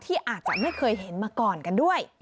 ที่อาจจะไม่เคยเห็นมาก่อนกันด้วย